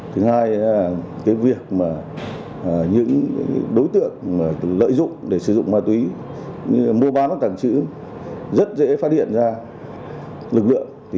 thứ hai là những đối tượng lợi dụng để sử dụng ma túy mua bán hoặc tặng chữ rất dễ phát hiện ra lực lượng